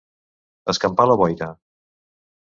Escampar la boira.